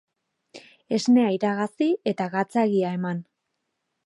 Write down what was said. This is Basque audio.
Esnea iragazi eta gatzagia eman.